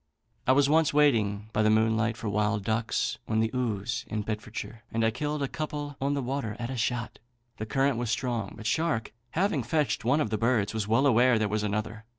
"I was once waiting by moonlight for wild ducks on the Ouze in Bedfordshire, and I killed a couple on the water at a shot. The current was strong; but Shark, having fetched one of the birds, was well aware there was another.